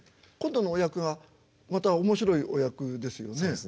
今度のお役がまた面白いお役ですよね？